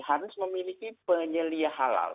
harus memiliki penyelia halal